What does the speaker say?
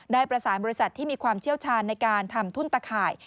ได้ประสานบริษัทที่มีความเชี่ยวชาญในการทำทุ่นตะข่าย